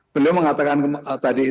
beliau mengatakan tadi